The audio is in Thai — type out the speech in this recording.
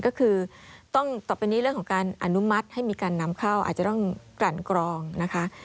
ก็คือต้องต่อไปนี้เรื่องของการอนุมัติให้มีการนำเข้าอาจจะต้องกลั่นกรองนะคะ